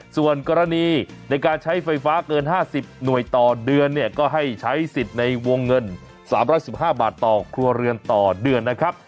ส่วนกรณีในการใช้ไฟฟ้าเกิน๕๐หน่วยต่อเดือนเนี่ยก็ให้ใช้สิทธิ์ในวงเงิน๓๑๕บาทต่อครัวเรือนต่อเดือนนะครับ